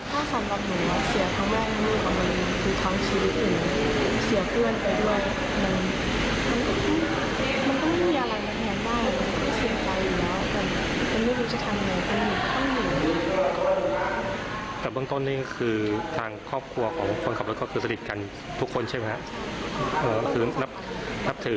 การสวดทำไอ้ทำขี้ซื้อน่าจะเผาเอาชื่ออะไรครับ